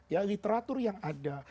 ya literatur yang ada